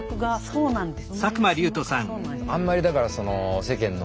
そうなんですよ。